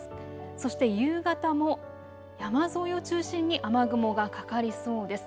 そして夕方も山沿いを中心に雨雲がかかりそうです。